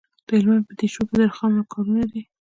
د هلمند په دیشو کې د رخام کانونه دي.